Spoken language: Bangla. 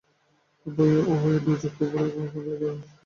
উভয়ের দুই চক্ষু বাষ্পে পুরিয়া গেল।